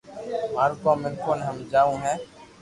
مارو ڪوم مينکو ني ھمجاو ھي